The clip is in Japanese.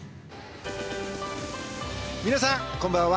皆さん、こんばんは。